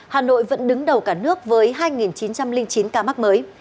hà nội vẫn đứng đầu cả nước với hai chín trăm linh chín ca mắc mới